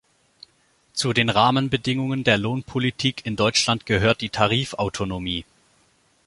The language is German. Zu den Rahmenbedingungen der Lohnpolitik in Deutschland gehört die Tarifautonomie.